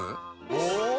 お！